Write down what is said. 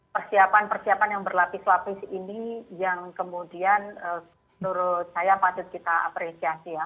persiapan persiapan yang berlapis lapis ini yang kemudian menurut saya patut kita apresiasi ya